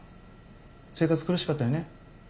生活苦しかったよね。